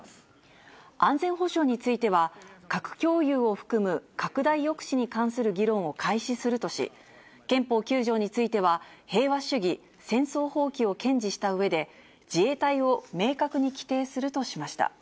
安全保障については、核共有を含む拡大抑止に関する議論を開始するとし、憲法９条については、平和主義・戦争放棄を堅持したうえで、自衛隊を明確に規定するとしました。